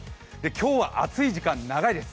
今日は暑い時間が長いです。